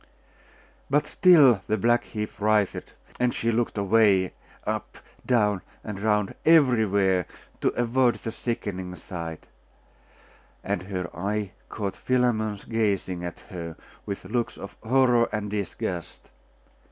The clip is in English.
But still the black heap writhed; and she looked away, up, down, and round, everywhere, to avoid the sickening sight; and her eye caught Philammon's gazing at her with looks of horror and disgust....